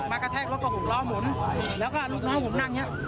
มากระแทกรถกับหูกล้อหมุนแล้วก็ลูกน้องผมนั่งเนี้ย